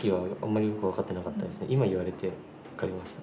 今言われて分かりました。